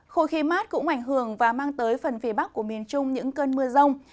khối khí mát cũng ảnh hưởng và mang tới phần phía bắc của miền trung những cơn mưa rông